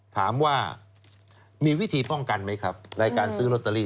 ถามว่ามีวิธีป้องกันไหมครับในการซื้อลอตเตอรี่